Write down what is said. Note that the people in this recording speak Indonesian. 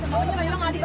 eh dasar lo pelan pelan